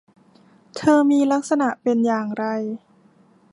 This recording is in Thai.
เธอมีลักษณะเป็นอย่างไร ?